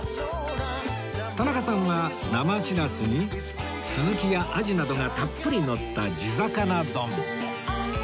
田中さんは生シラスにスズキやアジなどがたっぷりのった地魚丼